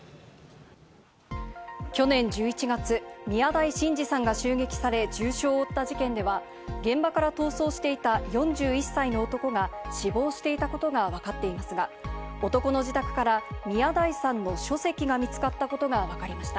去年１１月、宮台真司さんが襲撃され、重傷を負った事件では、現場から逃走していた４１歳の男が死亡していたことがわかっていますが、男の自宅から宮台さんの書籍が見つかったことがわかりました。